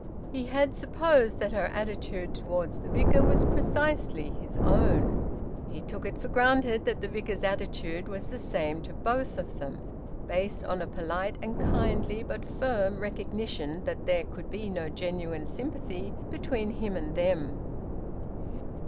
He had supposed that her attitude towards the Vicar was precisely his own. He took it for granted that the Vicar's attitude was the same to both of them, based on a polite and kindly but firm recognition that there could be no genuine sympathy between him and them.